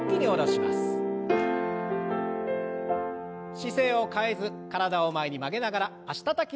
姿勢を変えず体を前に曲げながら脚たたきの運動を。